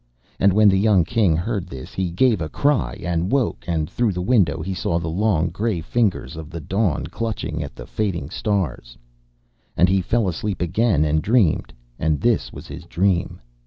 And when the young King heard this he gave a great cry, and woke, and through the window he saw the long grey fingers of the dawn clutching at the fading stars. And he fell asleep again, and dreamed, and this was his dream.